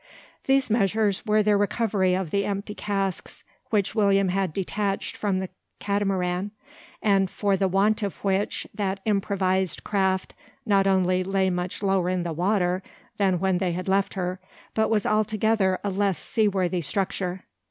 These measures were the recovery of the empty casks which William had detached from the Catamaran; and for the want of which that improvised craft not only lay much lower in the water than when they had left her, but was altogether a less seaworthy structure.